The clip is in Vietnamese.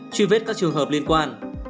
truy vết các trường hợp liên quan